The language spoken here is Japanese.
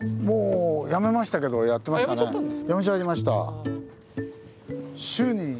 もうやめましたけどやってましたね。